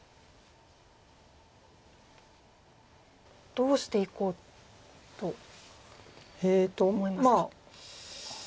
どうしていこうと思いますか？